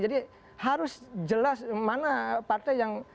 jadi harus jelas mana partai yang